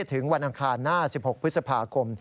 ถึงวันอังคารหน้า๑๖พฤษภาคม